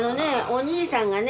お兄さんがね